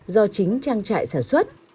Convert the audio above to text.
do chính trang trại sản xuất